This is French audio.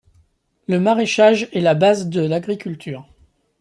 Le maraichage est la base de l’agriculture.